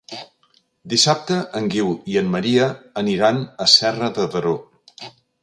Dissabte en Guiu i en Maria aniran a Serra de Daró.